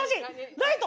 ライト！